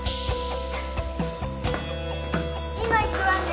今行くわね